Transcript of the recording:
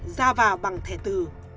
ra vào bằng thẻ tử